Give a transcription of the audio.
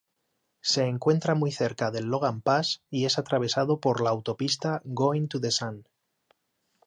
Se encuentra muy cerca del Logan Pass y es atravesado por la autopista Going-to-the-Sun.